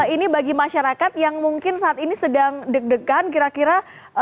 ini bagi masyarakat yang mungkin saat ini sedang deg degan kira kira